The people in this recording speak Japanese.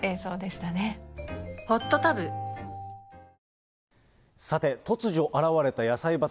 今後、さて、突如現れた野菜畑。